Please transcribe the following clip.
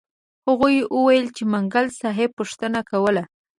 هغوی وویل چې منګل صاحب پوښتنه کوله.